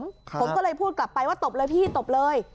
ผมก็เลยพูดกลับไปว่าตบเลยพี่ตบเลย